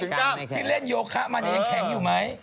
ที่เล่นโยคะมันนี่แข็งอยู่ไหม